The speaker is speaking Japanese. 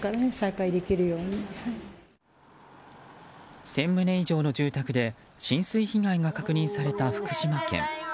１０００棟以上の住宅で浸水被害が確認された福島県。